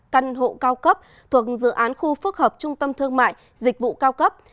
căn hộ cao cấp thuộc dự án khu phức hợp trung tâm thương mại dịch vụ cao cấp